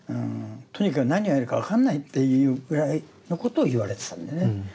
とにかく何をやるか分かんないっていうぐらいのことを言われてたんだよね。